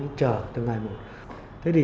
chú thích tâm trained một ngày